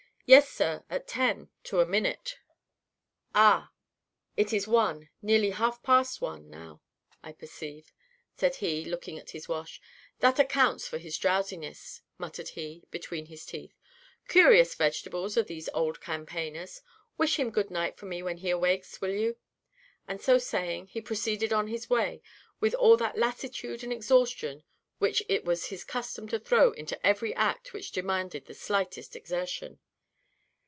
"Yes, sir; at ten to a minute." "Ah! it is one nearly half past one now, I perceive," said he, looking at his watch. "That accounts for his drowsiness," muttered he, between his teeth. "Curious vegetables are these old campaigners. Wish him good night for me when he awakes, will you?" And so saying, he proceeded on his way, with all that lassitude and exhaustion which it was his custom to throw into every act which demanded the slightest exertion.